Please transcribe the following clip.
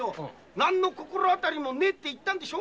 なんの心当たりもねえと言ったんでしょ。